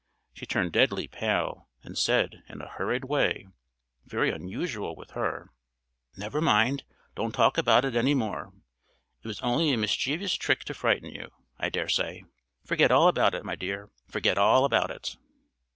She turned deadly pale, and said, in a hurried way, very unusual with her: "Never mind; don't talk about it any more. It was only a mischievous trick to frighten you, I dare say. Forget all about it, my dear forget all about it."